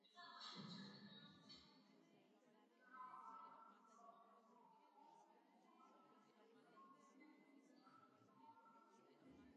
مېلمستيا يې ورته وکړه.